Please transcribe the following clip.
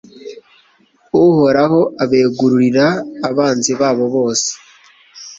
uhoraho abegurira abanzi babo bose